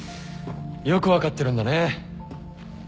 よく分かってるんだね。